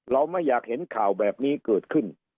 เราไม่อยากเห็นข่าวแบบนี้เกิดขึ้น